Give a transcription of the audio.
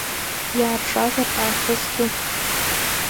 Иааршазар аахысгьу?